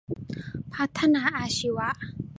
พัฒนาอาชีวะ